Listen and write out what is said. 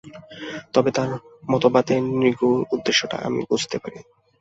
তবে তাঁর মতবাদের নিগূঢ় উদ্দেশ্যটি আমি বুঝতে পারি।